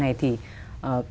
vậy thì chiến lược